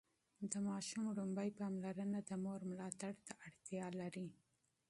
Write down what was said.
د ماشوم لومړني پاملرنه د مور ملاتړ ته اړتیا لري.